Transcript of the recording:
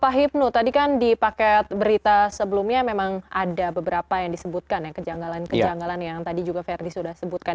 pak hipnu tadi kan di paket berita sebelumnya memang ada beberapa yang disebutkan ya kejanggalan kejanggalan yang tadi juga verdi sudah sebutkan